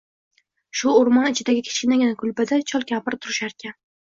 Shu oʻrmon ichidagi kichkinagina kulbada chol-kampir turisharkan